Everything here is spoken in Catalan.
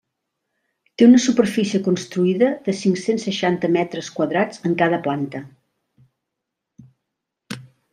Té una superfície construïda de cinc-cents seixanta metres quadrats en cada planta.